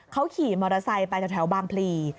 เขาขี่มอเตอร์ไซค์ไปแถวบางพลี